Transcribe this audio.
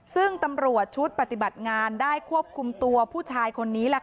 ซึ่งตำรวจชุดปฏิบัติงานได้ควบคุมตัวผู้ชายคนนี้